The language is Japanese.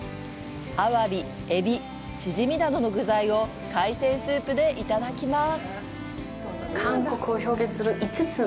アワビ、エビ、チヂミなどの具材を海鮮スープでいただきます。